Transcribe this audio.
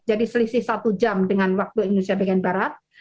jadi selisih satu jam dengan waktu indonesia bagian barat